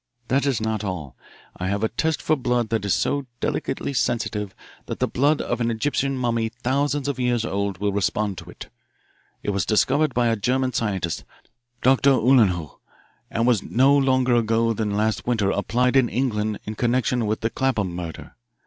That is not all. I have a test for blood that is so delicately sensitive that the blood of an Egyptian mummy thousands of years old will respond to it. It was discovered by a German scientist, Doctor Uhlenhuth, and was no longer ago than last winter applied in England in connection with the Clapham murder.